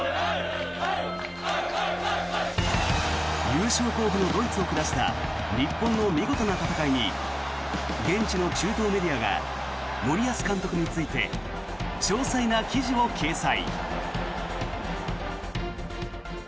優勝候補のドイツを下した日本の見事な戦いに現地の中東メディアが森保監督について詳細な記事を掲載。